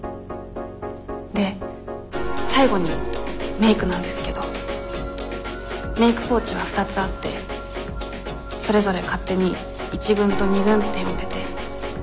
で最後にメークなんですけどメークポーチは２つあってそれぞれ勝手に１軍と２軍って呼んでて。